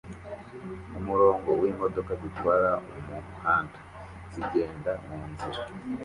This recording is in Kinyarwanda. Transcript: Umurongo wimodoka zitwara umuhanda zigenda munzira